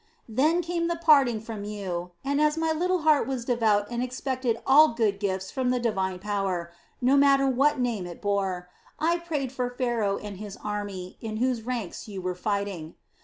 "Then came the parting from you and, as my little heart was devout and expected all good gifts from the divine power, no matter what name it bore, I prayed for Pharaoh and his army, in whose ranks you were fighting.